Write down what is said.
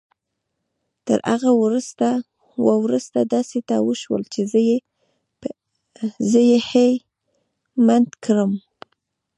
تر هغه وروسته داسې څه وشول چې زه يې هيλε مند کړم.